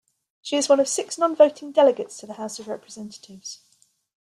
She is one of six non-voting delegates to the House of Representatives.